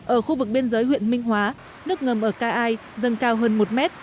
ở khu vực biên giới huyện minh hóa nước ngầm ở ca ai dâng cao hơn một mét